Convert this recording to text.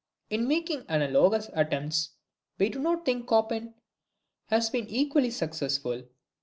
In making analogous attempts, we do not think Chopin has been equally successful.